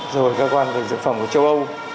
rồi cơ quan dược phẩm của châu âu